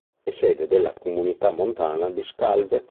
È sede della Comunità montana di Scalve.